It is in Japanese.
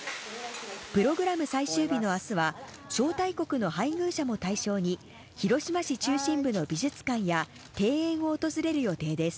プログラム最終日のあすは、招待国の配偶者も対象に、広島市中心部の美術館や、庭園を訪れる予定です。